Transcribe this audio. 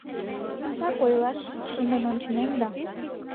Так ойлаш, шынден ончынем да.